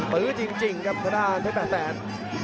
ฟื้อจริงกับตัวด้านแถม